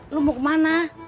lo mau kemana